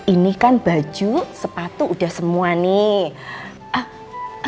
ini kan baju sepatu udah semua nih